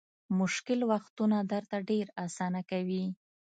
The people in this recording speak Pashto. مشکل وختونه درته ډېر اسانه کوي.